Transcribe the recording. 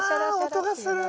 あ音がする。